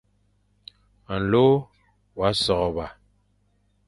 Nlô wa sôrba,